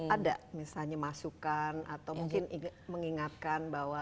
ada misalnya masukan atau mungkin mengingatkan bahwa